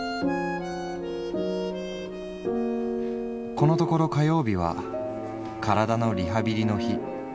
「このところ火曜日は体のリハビリの日。